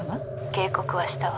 警告はしたわ。